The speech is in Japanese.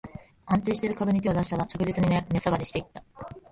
安定してる株に手を出したら、着実に値下がりしていった